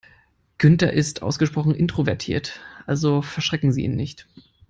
Günther ist ausgesprochen introvertiert, also verschrecken Sie ihn nicht.